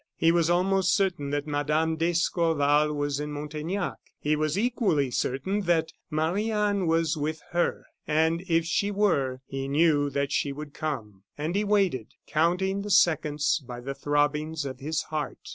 He was almost certain that Mme. d'Escorval was in Montaignac; he was equally certain that Marie Anne was with her; and if she were, he knew that she would come. And he waited, counting the seconds by the throbbings of his heart.